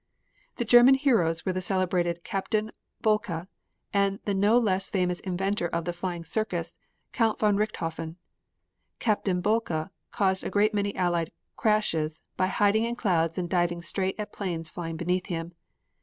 The German heroes were the celebrated Captain Boelke, and the no less famous inventor of the "flying circus," Count von Richthofen. Captain Boelke caused a great many Allied "crashes" by hiding in clouds and diving straight at planes flying beneath him.